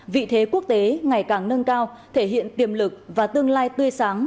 vị thế quốc tế ngày càng nâng cao thể hiện tiềm lực và tương lai tươi sáng